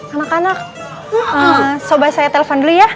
anak anak coba saya telepon dulu ya